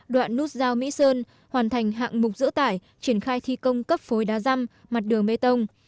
đoạn nút giao mỹ sơn hoàn thành hạng mục giữa tải triển khai thi công cấp phối đá răm mặt đường bê tông